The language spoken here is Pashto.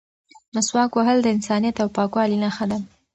مسواک وهل د انسانیت او پاکوالي نښه ده.